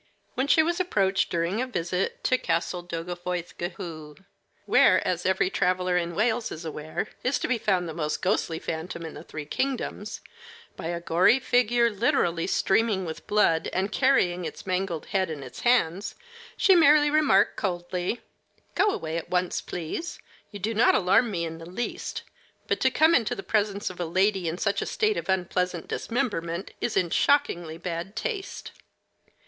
When she was approached during a visit to Castle Doddyfoethghw where, as every traveler in Wales is aware, is to be found the most ghostly phantom in the three kingdoms by a gory figure literally streaming with blood, and carrying its mangled head in its hands, she merely remarked coldly: "Go away at once, please. You do not alarm me in the least; but to come into the presence of a lady in such a state of unpleasant dismemberment is in shockingly bad taste."